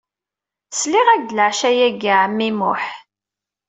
Sliɣ-ak-d leɛca-agi, ɛemmi Muḥ.